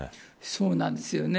そうなんですよね。